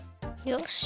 よし。